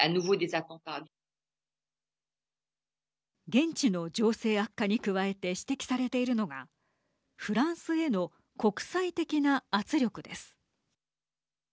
現地の情勢悪化に加えて指摘されているのがフランスへの国際的な圧力です。